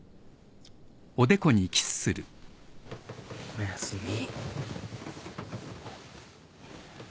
おやすみ。